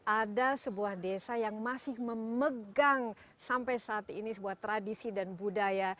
ada sebuah desa yang masih memegang sampai saat ini sebuah tradisi dan budaya